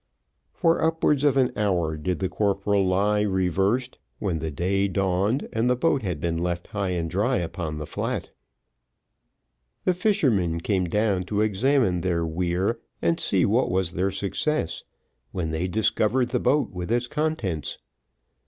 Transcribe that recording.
For upwards of an hour did the corporal lie reversed, when the day dawned, and the boat had been left high and dry upon the flat. The fishermen came down to examine their weir, and see what was their success, when they discovered the boat with its contents.